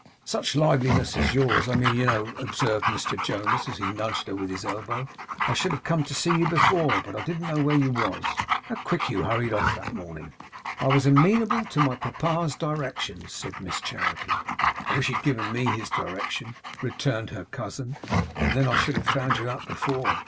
'Such liveliness as yours I mean, you know,' observed Mr Jonas, as he nudged her with his elbow. 'I should have come to see you before, but I didn't know where you was. How quick you hurried off, that morning!' 'I was amenable to my papa's directions,' said Miss Charity. 'I wish he had given me his direction,' returned her cousin, 'and then I should have found you out before.